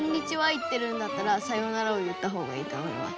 言ってるんだったら「さようなら」を言った方がいいと思います。